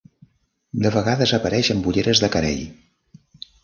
De vegades, apareix amb ulleres de carei.